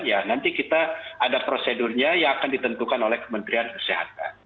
ya nanti kita ada prosedurnya yang akan ditentukan oleh kementerian kesehatan